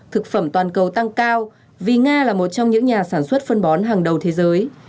thực phẩm toàn cầu tăng cao vì nga là một trong những nhà sản xuất phân bón hàng đầu thế giới